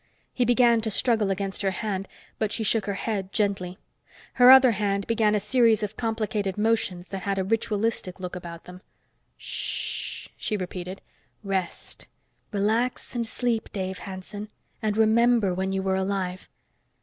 He began to struggle against her hand, but she shook her head gently. Her other hand began a series of complicated motions that had a ritualistic look about them. "Shh," she repeated. "Rest. Relax and sleep, Dave Hanson, and remember when you were alive."